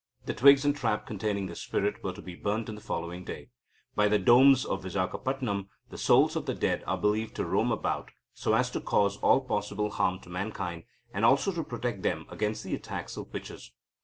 The twigs and trap containing the spirit were to be burnt on the following day. By the Dombs of Vizagapatam, the souls of the dead are believed to roam about, so as to cause all possible harm to mankind, and also to protect them against the attacks of witches.